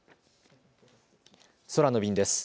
空の便です。